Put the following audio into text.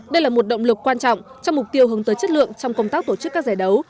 đây là một động lực quan trọng trong mục tiêu hướng tới chất lượng trong công tác tổ chức các giải đấu